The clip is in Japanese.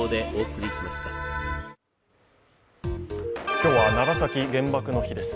今日は長崎原爆の日です。